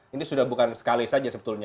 ini sudah bukan sekali saja sebetulnya